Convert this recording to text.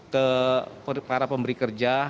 ke para pemberi kerja